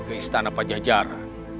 ke istana pajajara